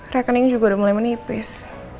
rekening juga udah mulai menipis